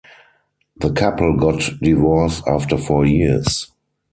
The couple got divorced after four years.